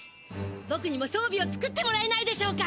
ぼくにもそうびを作ってもらえないでしょうか！